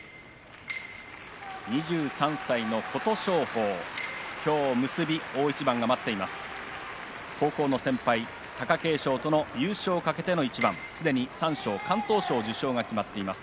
２３歳の琴勝峰、今日結びの大一番が待っています。